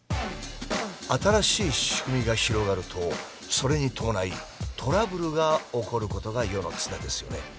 新しい仕組みが広がるとそれに伴いトラブルが起こることが世の常ですよね。